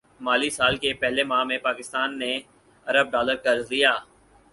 مالی سال کے پہلے ماہ میں پاکستان نے ارب ڈالر قرض لیا